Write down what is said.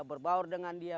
berbaur dengan dia